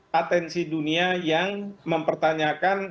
kekuasaan dunia yang mempertanyakan